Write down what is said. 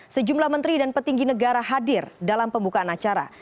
sejumlah menteri dan petinggi negara hadir dalam pembukaan acara